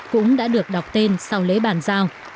cũng đã được đọc tên sau lễ bàn giao